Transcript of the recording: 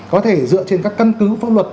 có thể dựa trên các cân cứ pháp luật